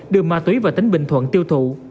đưa ma túy và tính bình thuận tiêu thụ